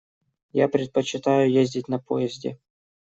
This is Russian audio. Я предпочитаю ездить на поезде.